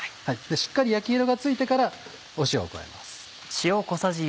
しっかり焼き色がついてから塩を加えます。